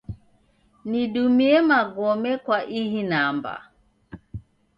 Nidumie magome kwa ihi namba.